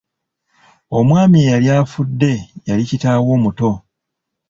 Omwami eyali afudde yali kitaawe omuto.